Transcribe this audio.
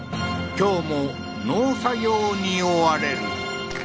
今日も農作業に追われる